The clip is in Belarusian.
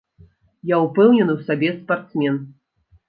Я ўпэўнены ў сабе спартсмен.